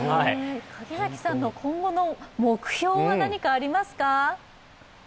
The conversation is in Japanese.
柿崎さんの今後の目標は何かありますか？